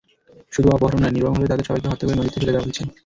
শুধু অপহরণ নয়, নির্মমভাবে তাঁদের সবাইকে হত্যা করে নদীতে ফেলে দেওয়া হয়েছে।